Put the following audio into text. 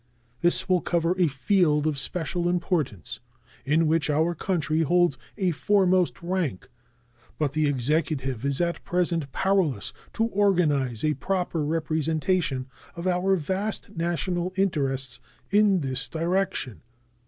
This will cover a field of special importance, in which our country holds a foremost rank; but the Executive is at present powerless to organize a proper representation of our vast national interests in this direction.